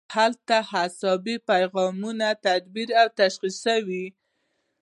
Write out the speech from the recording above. هلته عصبي پیغامونه تعبیر او تشخیص شي.